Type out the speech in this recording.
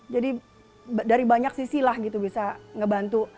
jadi dari banyak sisi lah gitu bisa ngebantuinnya